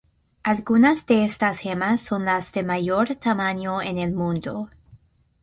Algunas de estas gemas son las de mayor tamaño en el mundo.